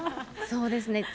そうですね。